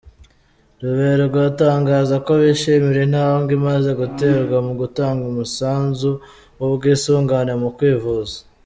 Ruberwa atangaza ko bishimira intambwe imaze guterwa mu gutanga umusanzu w’ubwisungane mu kwivuza.